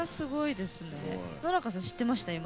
野中さん知っていました？